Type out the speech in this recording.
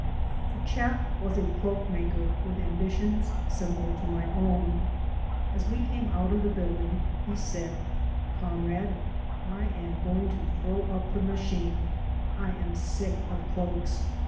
The chap was a cloak maker with ambitions similar to my own. As we came out of the building he said: "Comrade, I am going to throw up the machine. I am sick of cloaks.